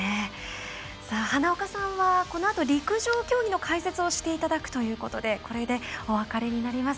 花岡さんはこのあと陸上競技の解説をしていただくということでこれで、お別れになります。